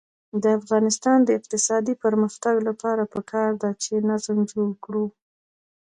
د افغانستان د اقتصادي پرمختګ لپاره پکار ده چې نظم جوړ کړو.